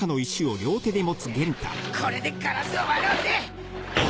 これでガラスを割ろうぜ。